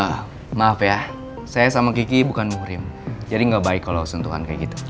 ya maaf ya saya sama kiki bukan muhrim jadi gak baik kalau sentuhan kayak gitu